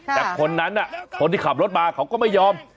แต่คนนั้นคนที่ขับรถมาเขาก็ไม่ยอม